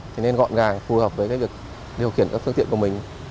thì nên gọn gàng phù hợp với việc điều khiển các phương tiện của mình